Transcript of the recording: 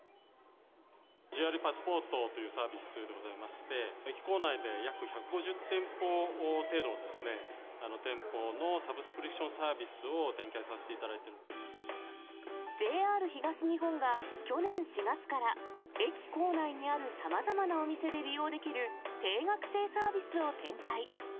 ＪＲＥパスポートというサービスでございまして、駅構内で約１５０店舗程度の店舗のサブスクリプションサービスをＪＲ東日本が去年４月から駅構内にあるさまざまなお店で利用できる、定額制サービスを展開。